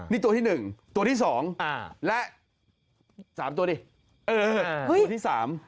นี่ตัวที่หนึ่งตัวที่สองอ่าและสามตัวดิเออตัวที่สาม